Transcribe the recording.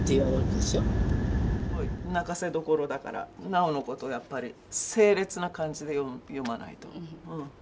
泣かせどころだからなおのことやっぱり凄烈な感じで読まないと。